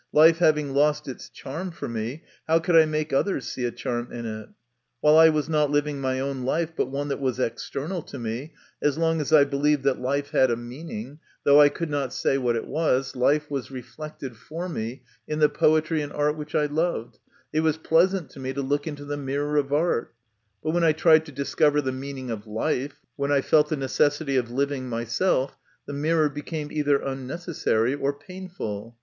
Life having lost its charm for me, how could I make others see a charm in it ? While I was not living my own life, but one that was external to me, as long as I believed that life had a meaning, 36 MY CONFESSION. though I could not say what it was, life was reflected for me in the poetry and art which I loved, it was pleasant to me to look into the mirror of art ; but when I tried to discover the meaning of life, when I felt the necessity of living myself, the mirror became either unnecessary or painful.